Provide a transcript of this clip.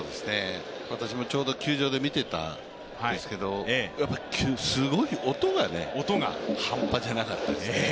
私もちょうど球場で見ていたんですけど、音が半端じゃなかったですね。